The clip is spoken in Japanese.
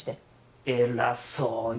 偉そうに。